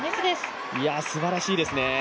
すばらしいですね。